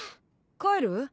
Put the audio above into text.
帰る？